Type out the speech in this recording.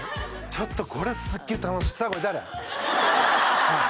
ちょっとこれすげえ楽しいさあこれ誰？